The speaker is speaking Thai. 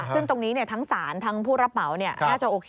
ซึ่งตรงนี้ทั้งศาลทั้งผู้รับเหมาน่าจะโอเค